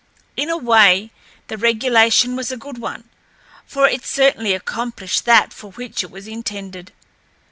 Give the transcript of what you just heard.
In a way, the regulation was a good one, for it certainly accomplished that for which it was intended.